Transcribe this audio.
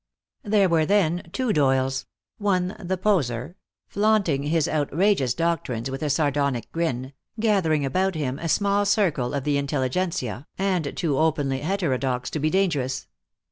There were, then, two Doyles, one the poseur, flaunting his outrageous doctrines with a sardonic grin, gathering about him a small circle of the intelligentsia, and too openly heterodox to be dangerous.